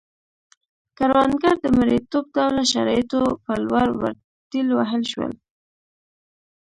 کروندګر د مریتوب ډوله شرایطو په لور ورټېل وهل شول